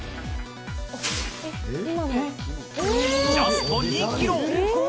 ジャスト２キロ。